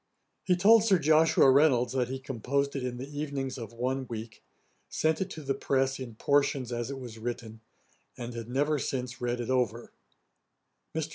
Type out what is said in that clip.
He told Sir Joshua Reynolds that he composed it in the evenings of one week, sent it to the press in portions as it was written, and had never since read it over. Mr.